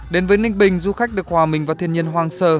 đến với ninh bình du khách được hòa mình vào thiên nhiên hoang sơ